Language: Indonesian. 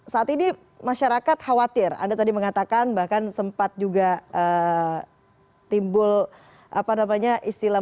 saat ini masyarakat khawatir anda tadi mengatakan bahkan sempat juga timbul istilah masyarakat